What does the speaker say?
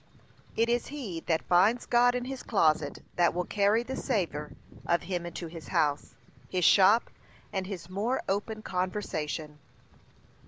It is he that finds God in his closet that will carry the savour of him into his house, his shop, and his more open conversation.